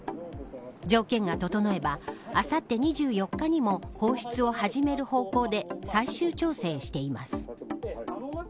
条件が整えばあさって２４日にも放出を始める方向で最終調整しています。